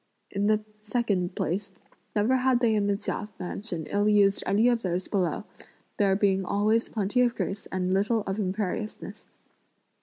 In the second place, never had they in the Chia mansion ill used any of those below; there being always plenty of grace and little of imperiousness.